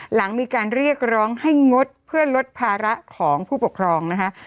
หลังมีการเรียกร้องให้งดเพื่อลดภาระของผู้ปกครองนะคะ